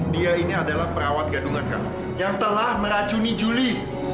dia ini adalah perawat gadungan kak yang telah meracuni juli